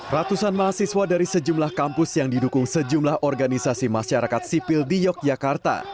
ratusan mahasiswa dari sejumlah kampus yang didukung sejumlah organisasi masyarakat sipil di yogyakarta